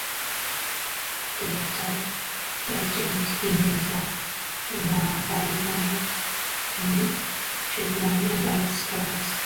Dwight was joined in the honor by Nile Kinnick, Chuck Long and Alex Karras.